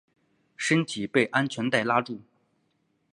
身体被安全带拉住